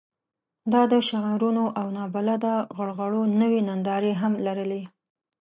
دا د شعارونو او نابلده غرغړو نوې نندارې هم لرلې.